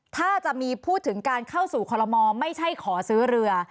ถ้าจะมีพูดถึงการเข้าสู่คอลโมไม่ใช่ขอซื้อเรือ